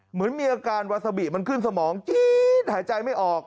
เหมือนมีอาการวาซาบิมันขึ้นสมองจี๊ดหายใจไม่ออก